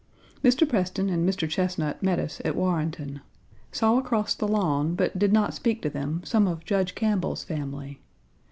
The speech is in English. Mr. Preston and Mr. Chesnut met us at Warrenton. Saw across the lawn, but did not speak to them, some of Judge Campbell's family.